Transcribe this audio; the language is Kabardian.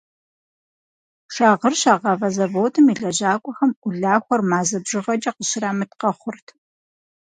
Шагъыр щагъавэ зэводым и лэжьакӏуэхэм улахуэр мазэ бжыгъэкӏэ къыщырамыт къэхъурт.